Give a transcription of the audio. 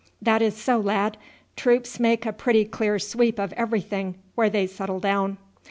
"That is so, lad; troops make a pretty clear sweep of everything where they settle down."